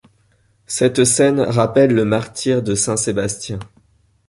Cette scène rappelle le martyre de saint Sébastien.